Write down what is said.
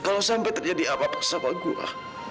kalau sampai terjadi apa apa sama gua